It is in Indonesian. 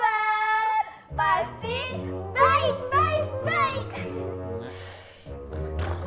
pasti baik baik baik